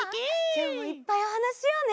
きょうもいっぱいおはなししようね。